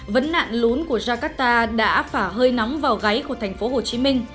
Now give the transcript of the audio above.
vấn nạn lún của jakarta đã phả hơi nóng vào gáy của tp hcm